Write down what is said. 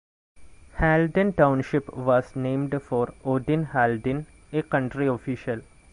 Halden Township was named for Odin Haldin, a county official.